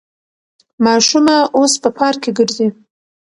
ماشومه اوس په پارک کې ګرځي.